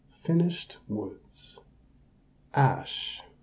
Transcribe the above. ] FINISHED WOODS. ASH.